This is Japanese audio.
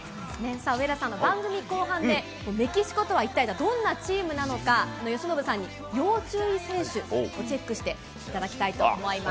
上田さん、番組後半で、メキシコとは一体どんなチームなのか、由伸さんに要注意選手をチェックしていただきたいと思います。